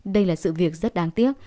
đây là sự việc rất đáng tiếc